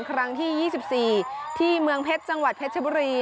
ครั้งที่๒๔ที่เมืองเพชรจังหวัดเพชรบุรี